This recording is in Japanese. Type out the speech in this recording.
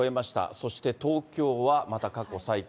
そして東京はまた過去最多。